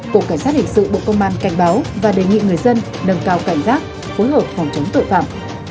cục cảnh sát hình sự bộ công an cảnh báo và đề nghị người dân nâng cao cảnh giác phối hợp phòng chống tội phạm